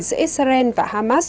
giữa israel và hamas